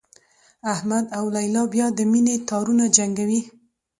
احمد او لیلا بیا د مینې تارونه جنګوي.